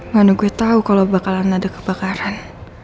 manu gue tahu kalau bakalan ada kebakaran